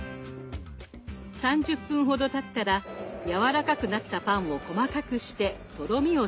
３０分ほどたったらやわらかくなったパンを細かくしてとろみをつけます。